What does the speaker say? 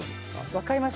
分かります。